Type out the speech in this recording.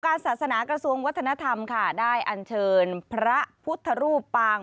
ศาสนากระทรวงวัฒนธรรมค่ะได้อันเชิญพระพุทธรูปปาง